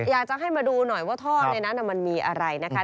อยากจะให้มาดูหน่อยว่าท่อในนั้นมันมีอะไรนะคะ